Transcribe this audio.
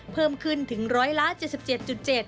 เพิ่มขึ้นถึง๑๗๗๗ล้าน